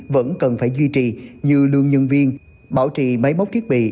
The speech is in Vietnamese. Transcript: vẫn cần phải duy trì như lương nhân viên bảo trì mấy mốc thiết bị